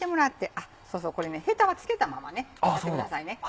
あっそうそうこれヘタは付けたままやってください。